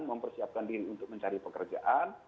mempersiapkan diri untuk mencari pekerjaan